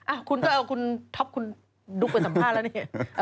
อ้าวคุณก็เอาคุณคุณทพดูเป็นสัมภาษณ์ละเนี้ย